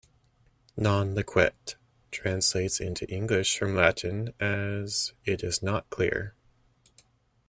"Non liquet" translates into English from Latin as "it is not clear.